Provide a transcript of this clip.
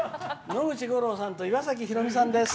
野口五郎さんと岩崎宏美さんです。